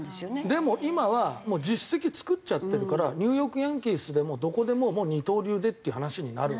でも今はもう実績作っちゃってるからニューヨーク・ヤンキースでもどこでももう二刀流でっていう話になる。